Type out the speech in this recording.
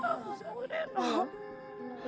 kamu di mana